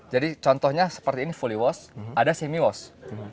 jadi contohnya seperti ini fully wash ada semi wash